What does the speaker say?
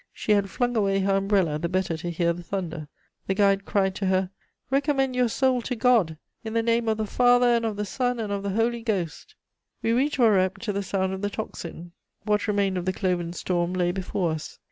She had flung away her umbrella the better to hear the thunder; the guide cried to her: "Recommend your soul to God! In the name of the Father, and of the Son, and of the Holy Ghost!" We reached Voreppe to the sound of the tocsin; what remained of the cloven storm lay before us.